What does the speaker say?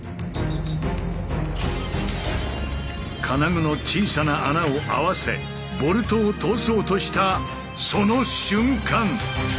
金具の小さな穴を合わせボルトを通そうとしたその瞬間！